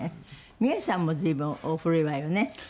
ミエさんも随分お古いわよね。